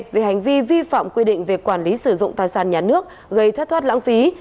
về hành vi vi phạm quy định về quản lý sử dụng tài sản nhà nước gây thất thoát lãng phí